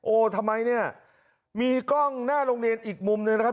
ทำไมเนี่ยมีกล้องหน้าโรงเรียนอีกมุมหนึ่งนะครับ